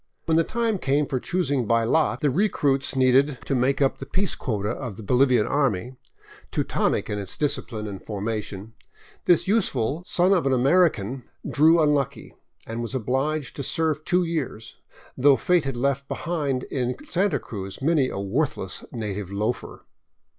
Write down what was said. When the time came for choosing by lot the recruits needed 551 VAGABONDING DOWN THE ANDES to make up the peace quota of the BoHvian army, Teutonic in its discipHne and formation, this useful son of an American " drew un lucky " and was obliged to serve two years, though fate had left behind in Santa Cruz many a worthless native loafer.